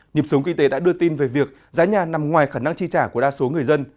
nhịp sống kinh tế đã đưa tin về việc giá nhà nằm ngoài khả năng chi trả của đa số người dân